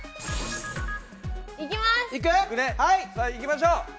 さあいきましょう。